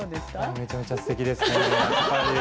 めちゃめちゃすてきですね。